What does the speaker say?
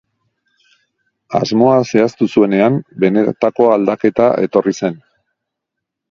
Asmoa zehaztu zuenean, benetako aldaketa etorri zen.